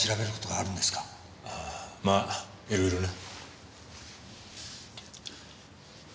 まあいろいろね。